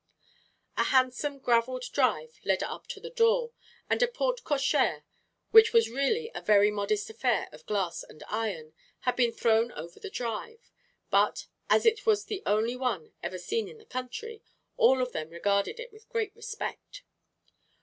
A handsome graveled drive led up to the door, and a porte cochère, which was really a very modest affair of glass and iron, had been thrown over the drive; but, as it was the only one ever seen in the county, all of them regarded it with great respect.